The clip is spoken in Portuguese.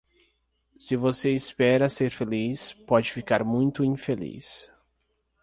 Se você espera ser feliz, pode ficar muito infeliz.